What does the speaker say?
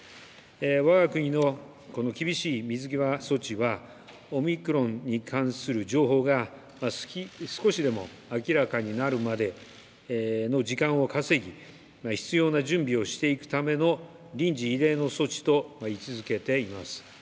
わが国のこの厳しい水際措置は、オミクロンに関する情報が、少しでも明らかになるまでの時間を稼ぎ、必要な準備をしていくための臨時異例の措置と位置づけています。